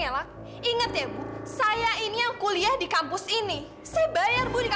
pak ibu saya kenapa pak